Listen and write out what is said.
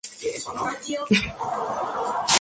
El grupo toca tanto música occidental como música china.